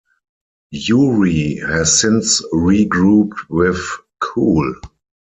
Yuri has since regrouped with Cool.